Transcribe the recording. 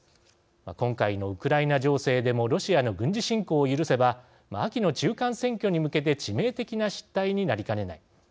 今回のウクライナ情勢でもロシアの軍事侵攻を許せば秋の中間選挙に向けて致命的な失態になりかねない。